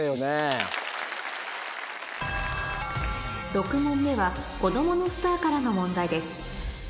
６問目はこどものスターからの問題です